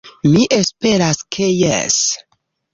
Mi esperas ke jes.